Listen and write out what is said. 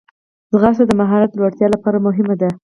ځغاسته د مهارت لوړتیا لپاره مهمه ده